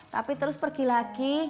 tapi terus pergi lagi